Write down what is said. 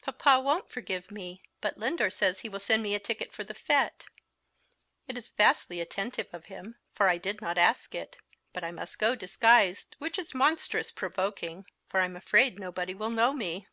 Papa won't forgive me; but Lindore says he will send me a ticket for the fete; it is vastly attentive of him, for I did not ask it. But I must go disguised, which is monstrous provoking, for I'm afraid nobody will know me."